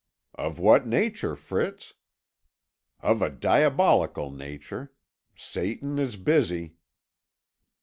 "Of what nature, Fritz?" "Of a diabolical nature. Satan is busy."